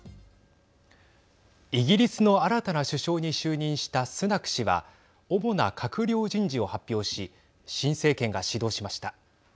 イギリスの新たな首相に就任したスナク氏は主な閣僚人事を発表し新政権が始動しました。